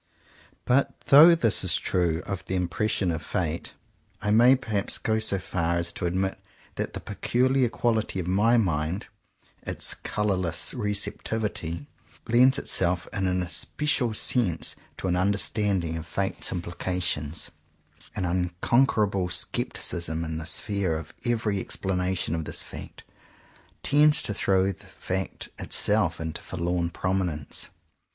But though this is true of the impression of Fate, I may perhaps go so far as to admit that the peculiar quality of my mind — its colourless receptivity — lends itself in an especial sense to an understanding of Fate's implications. 27 CONFESSIONS OF TWO BROTHERS An unconquerable scepticism in the sphere of every explanation of this fact, tends to throw the fact itself into forlorn prominence.